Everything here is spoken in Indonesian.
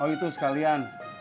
oh itu sekalian